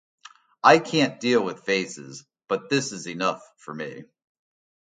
I can't deal with faces, but this is enough for me.